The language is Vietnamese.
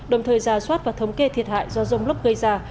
đồng thời ra soát và thống kê thiệt hại do rông lốc gây ra